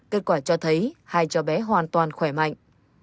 kết quả cho thấy hai cháu bé hoàn toàn khỏe mạnh